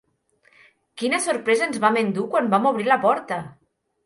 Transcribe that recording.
Quina sorpresa ens vam endur quan vam obrir la porta!